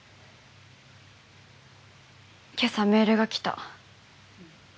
今朝メールが来た。